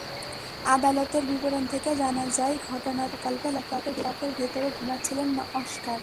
আদালতের বিবরণ থেকে জানা যায়, ঘটনার দিন সকালবেলা ফ্ল্যাটের ভেতরে ঘুমাচ্ছিলেন অস্কার।